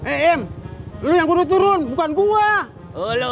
eh em lo yang perlu turun bukan gue